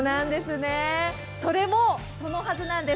それもそのはずなんです。